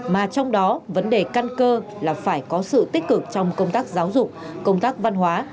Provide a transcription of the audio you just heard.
mà trong đó vấn đề căn cơ là phải có sự tích cực trong công tác giáo dục công tác văn hóa